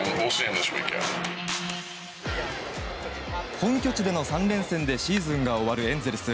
本拠地での３連戦でシーズンが終わるエンゼルス。